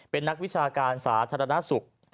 เป็นนักวิชาการสาธารณสุข